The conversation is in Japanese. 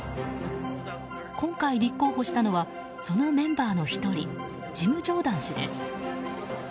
今回立候補したのはそのメンバーの１人ジム・ジョーダン氏です。